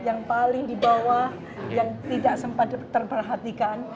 yang paling di bawah yang tidak sempat terperhatikan